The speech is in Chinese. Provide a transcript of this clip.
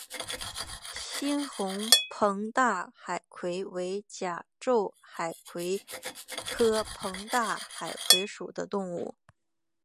猩红膨大海葵为甲胄海葵科膨大海葵属的动物。